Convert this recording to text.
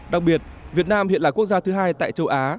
đặc biệt việt nam hiện là quốc gia thứ hai tại châu á